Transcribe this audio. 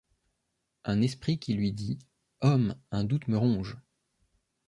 Un esprit qui lui dit :— Homme, un doute me ronge.